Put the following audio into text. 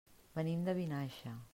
Venim de Vinaixa.